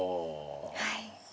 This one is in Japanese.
はい。